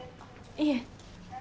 いえ